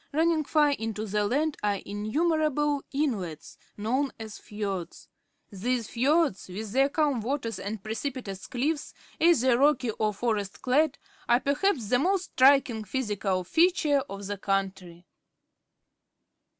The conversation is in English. Running far into the land are innumerable inlets, known as fiords. These fiords, with their calm waters and precipitous cliffs, either rock} or forest clad, are perhaps the most striking physical feature of the country.